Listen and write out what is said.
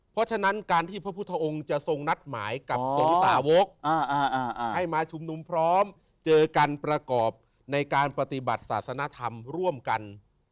เพราะฉะนั้นการที่พระพุทธองค์จะทรงนัดหมายกับสนุสาวกให้มาชุมนุมพร้อมเจอกันประกอบในการปฏิบัติศาสนธรรมร่วมกัน